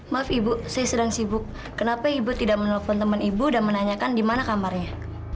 maaf ibu saya sedang sibuk kenapa ibu tidak menelpon teman ibu dan menanyakan di mana kamarnya